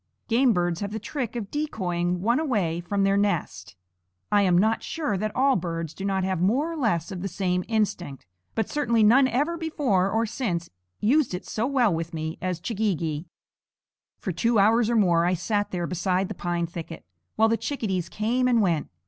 Game birds have the trick of decoying one away from their nest. I am not sure that all birds do not have more or less of the same instinct; but certainly none ever before or since used it so well with me as Ch'geegee. For two hours or more I sat there beside the pine thicket, while the chickadees came and went.